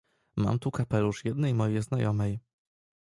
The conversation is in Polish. — Mam tu kapelusz jednej mojej znajomej.